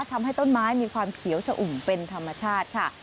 ทำให้ต้นไม้มีความเขียวชะอุ่มเป็นธรรมชาติค่ะ